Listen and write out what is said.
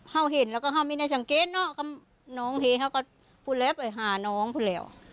เฮ้าเห็นแล้วก็เฮ้ามีในสังเกตเนอะก็น้องเห็นเฮ้าก็พูดแล้วไปหาน้องพูดแล้ว